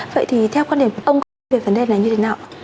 vậy thì theo quan điểm ông về vấn đề này như thế nào